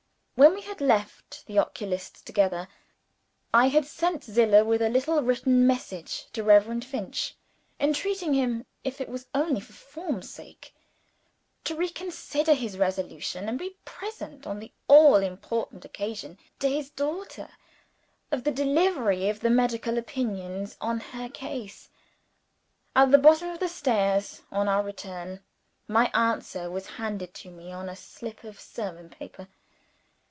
When we had left the oculists together, I had sent Zillah with a little written message to Reverend Finch; entreating him (if it was only for form's sake) to reconsider his resolution, and be present on the all important occasion to his daughter of the delivery of the medical opinions on her case. At the bottom of the stairs (on our return), my answer was handed to me on a slip of sermon paper.